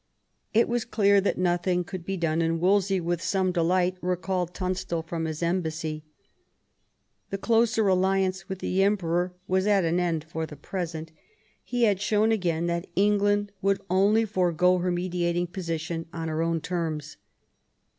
It was clear that nothing could be done, and Wolsey with some delight recalled Tunstal from his embassy. The closer alliance with the Emperor was at an end for the present ; he had shown again that England would only forego her mediating position on her own terms.